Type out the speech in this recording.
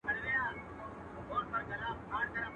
o لوټه ايږدي پښه پر ايږدي.